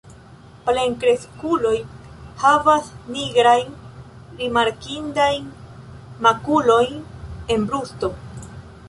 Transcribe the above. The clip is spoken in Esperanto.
Plenkreskuloj havas nigrajn rimarkindajn makulojn en brusto.